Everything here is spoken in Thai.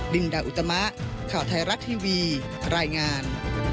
ลินดาอุตมะข่าวไทยรัฐทีวีรายงาน